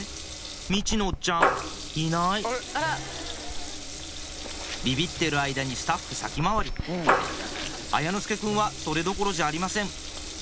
みちのおっちゃんいないビビってる間にスタッフ先回り綾之介くんはそれどころじゃありません